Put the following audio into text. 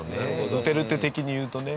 ドゥテルテ的に言うとね。